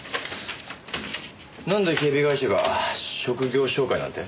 なんで警備会社が職業紹介なんて。